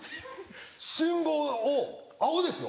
信号を青ですよ